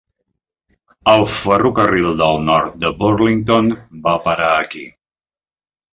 El ferrocarril del nord de Burlington va parar aquí.